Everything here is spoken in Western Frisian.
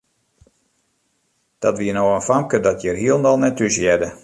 Dat wie no in famke dat hjir hielendal net thúshearde.